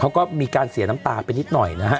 เขาก็มีการเสียน้ำตาไปนิดหน่อยนะฮะ